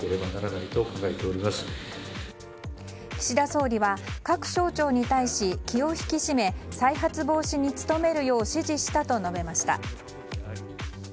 岸田総理は各省庁に対し気を引き締め再発防止に努めるよう指示したと述べました。